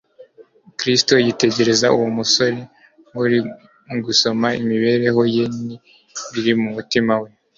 Kristo yitegereza uwo musore nk'uri mu gusoma imibereho ye n'ibiri mu mutima we.